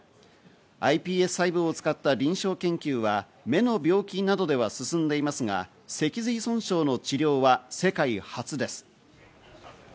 ｉＰＳ細胞を使った臨床研究は目の病気などでは進んでいますが、脊髄損傷の治療は世界初です。